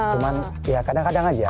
cuman ya kadang kadang aja